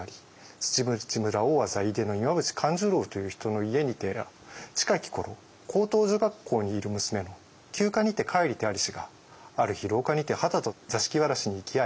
土淵村大字飯豊の今淵勘十郎といふ人の家にては近き頃高等女学校にゐる娘の休暇にて帰りてありしがある日廊下にてはたとザシキワラシに行き逢ひ